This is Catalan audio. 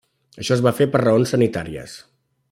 Això es va fer per raons sanitàries.